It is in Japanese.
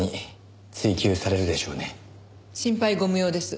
心配ご無用です。